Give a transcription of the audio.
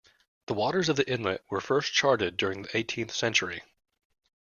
The waters of the inlet were first charted during the eighteenth century.